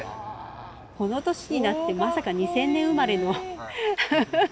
この年になってまさか２０００年生まれのフフ。